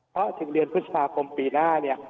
เพราะถึงเดือนพฤษภาคมปีหน้าเนี่ย